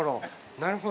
なるほど。